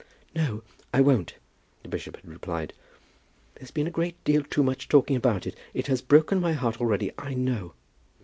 "No; I won't," the bishop had replied; "there has been a great deal too much talking about it. It has broken my heart already, I know."